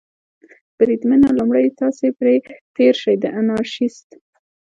بریدمنه، لومړی تاسې پرې تېر شئ، د انارشیست.